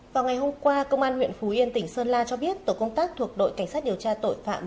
vào ngày hôm qua công an huyện phú yên tỉnh sơn la cho biết tổ công tác thuộc đội cảnh sát điều tra tội phạm